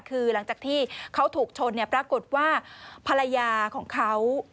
คือหลังจากที่เขาถูกชนปรากฏว่าภรรยาของเขา